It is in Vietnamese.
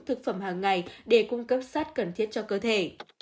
thực phẩm hàng ngày để cung cấp sát cần thiết cho cơ thể